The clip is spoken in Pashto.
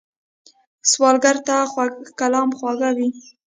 سوالګر ته خوږ کلام خواږه وي